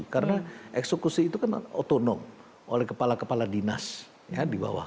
karena eksekusi itu kan otonom oleh kepala kepala dinas di bawah